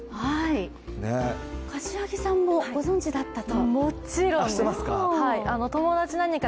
柏木さんもご存じだったと？